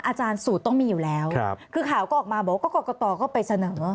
อาจารย์สูตรต้องมีอยู่แล้วคือข่าวก็ออกมาบอกว่าก็กรกตก็ไปเสนอ